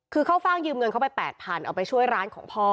คือเข้าฟ่างยืมเงินเข้าไป๘๐๐๐เอาไปช่วยร้านของพ่อ